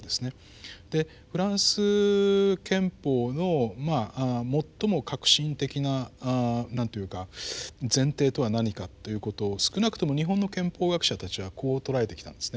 でフランス憲法の最も核心的ななんと言うか前提とは何かということを少なくとも日本の憲法学者たちはこう捉えてきたんですね。